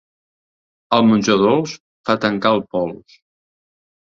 El menjar dolç fa tancar el pols.